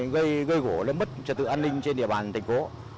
gây gỗ lấy mất trật tự an ninh trên địa bàn thành phố